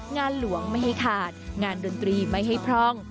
งานหลวงไม่ให้ขาดงานดนตรีไม่ให้พร่อง